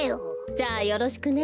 じゃあよろしくね。